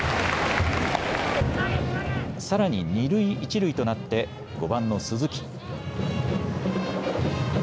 さらに二塁一塁となって５番の鈴木。